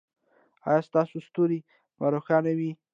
ایا ستاسو ستوری به روښانه وي؟